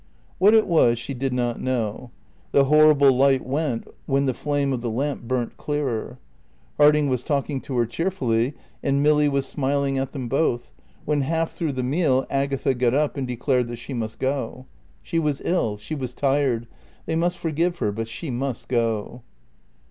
What it was she did not know. The horrible light went when the flame of the lamp burnt clearer. Harding was talking to her cheerfully and Milly was smiling at them both, when half through the meal Agatha got up and declared that she must go. She was ill; she was tired; they must forgive her, but she must go.